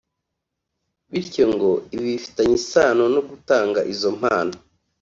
bityo ngo ibi bifitanye isano no gutanga izo mpano